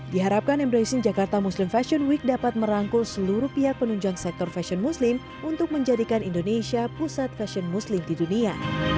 diharapkan embracing jakarta muslim fashion week dapat merangkul seluruh pihak penunjang sektor fashion muslim untuk menjadikan indonesia pusat fashion muslim di dunia